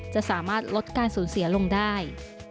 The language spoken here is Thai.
จะสามารถลดการสูญเสียลงได้